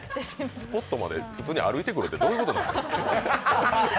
スポットまで普通に歩いてくるって、どういうこと。